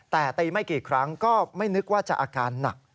แต่ตีไม่กี่ครั้งก็ไม่นึกว่าจะอาการหนัก